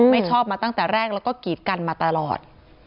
ไม่ชอบมาตั้งแต่แรกแล้วก็กีดกันมาตลอด